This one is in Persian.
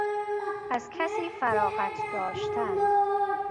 از کسی فراغت داشتن